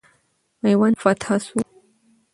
میوند فتح سو.